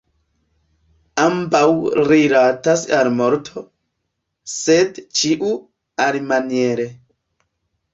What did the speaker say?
Ambaŭ rilatas al morto, sed ĉiu alimaniere.